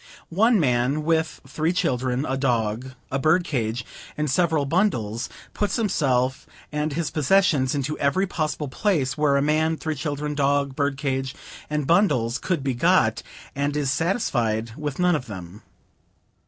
One man, with three children, a dog, a bird cage, and several bundles, puts himself and his possessions into every possible place where a man, three children, dog, bird cage and bundles could be got, and is satisfied with none of them.